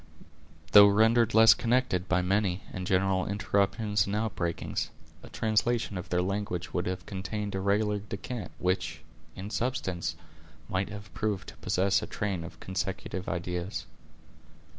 Though rendered less connected by many and general interruptions and outbreakings, a translation of their language would have contained a regular descant, which, in substance, might have proved to possess a train of consecutive ideas.